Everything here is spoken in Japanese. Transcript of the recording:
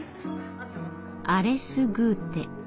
アレスグーテ。